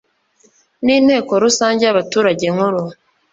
ninteko rusange yabaturage nkuru